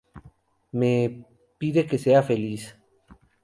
me... pide que sea feliz.